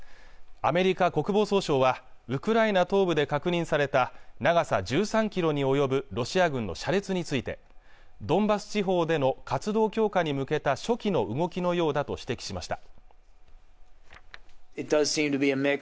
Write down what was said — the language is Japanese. アメリカ国防総省はウクライナ東部で確認された長さ１３キロに及ぶロシア軍の車列についてドンバス地方での活動強化に向けた初期の動きのようだと指摘しました